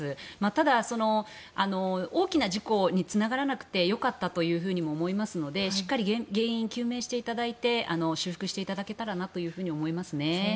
ただ、大きな事故につながらなくてよかったというふうに思いますのでしっかり原因を究明していただいて修復していただけたらなと思いますね。